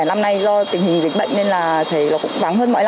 hôm nay mình đi từ hương yên lên chú hương để dự lễ hội